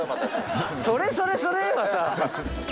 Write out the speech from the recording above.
それそれそれーはさぁ。